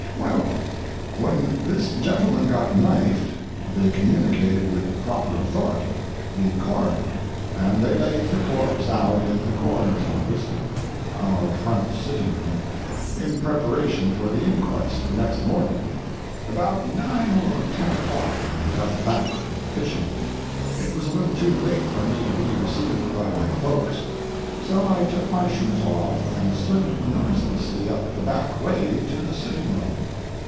Well, when this gentleman got knifed they communicated with the proper authority, the coroner, and they laid the corpse out in the coroner's office—our front sitting room—in preparation for the inquest the next morning. About 9 or 10 o'clock I got back from fishing. It was a little too late for me to be received by my folks, so I took my shoes off and slipped noiselessly up the back way to the sitting room.